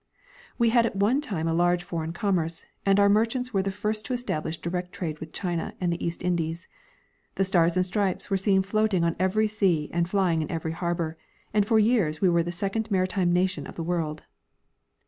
We had at one time a large foreign commerce, and our merchants were the first to establish direct trade with China and the East Indies ; the Stars and Stripes were seen floating on every sea and fl3dng in every harbor, and for years we were the second maritime nation of the world.